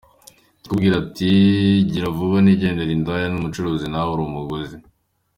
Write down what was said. ikukabwira iti: “Gira vuba nigendere” Indaya ni umucuruzi nawe uri umuguzi .